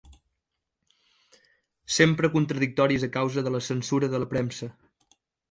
Sempre contradictoris a causa de la censura de la premsa